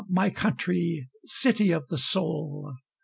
my country! city of the soul!